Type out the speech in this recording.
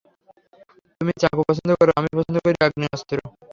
তুমি চাকু পছন্দ করো, আমি পছন্দ করি আগ্নেয়াস্ত্র!